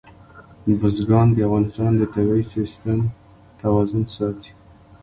بزګان د افغانستان د طبعي سیسټم توازن ساتي.